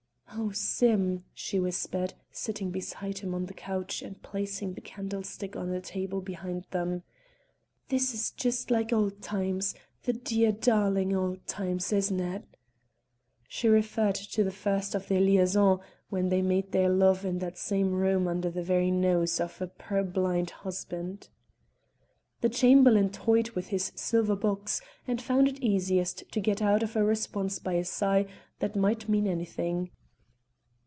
"Oh, Sim!" she whispered, sitting beside him on the couch and placing the candlestick on a table behind them; "this is just like old times the dear darling old times, isn't it?" She referred to the first of their liaison, when they made their love in that same room under the very nose of a purblind husband. The Chamberlain toyed with his silver box and found it easiest to get out of a response by a sigh that might mean anything.